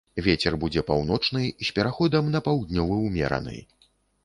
Вецер будзе паўночны з пераходам на паўднёвы ўмераны.